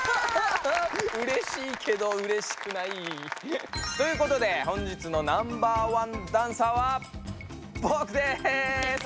うれしいけどうれしくない。ということで本日のナンバーワンダンサーはぼくです！